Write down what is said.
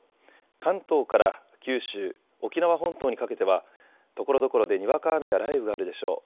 関東から九州、沖縄本島にかけてはところどころでにわか雨や雷雨があるでしょう。